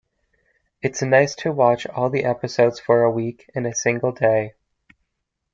It's nice to watch all the episodes for a week in a single day.